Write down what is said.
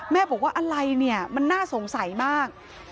แม่บอกว่าอะไรเนี่ยมันน่าสงสัยมาก